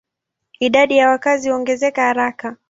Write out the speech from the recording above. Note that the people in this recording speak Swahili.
Idadi ya wakazi huongezeka haraka.